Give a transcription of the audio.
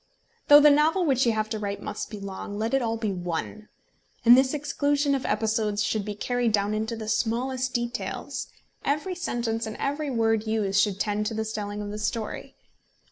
Though the novel which you have to write must be long, let it be all one. And this exclusion of episodes should be carried down into the smallest details. Every sentence and every word used should tend to the telling of the story.